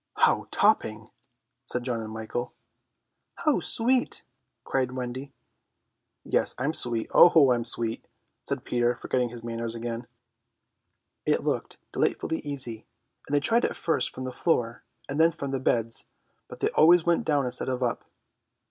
"How topping!" said John and Michael. "How sweet!" cried Wendy. "Yes, I'm sweet, oh, I am sweet!" said Peter, forgetting his manners again. It looked delightfully easy, and they tried it first from the floor and then from the beds, but they always went down instead of up.